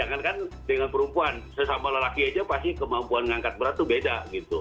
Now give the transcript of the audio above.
jangankan dengan perempuan sesama lelaki aja pasti kemampuan ngangkat berat itu beda gitu